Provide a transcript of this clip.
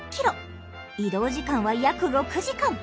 移動時間は約６時間。